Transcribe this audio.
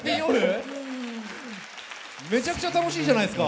めちゃくちゃ楽しいじゃないですか。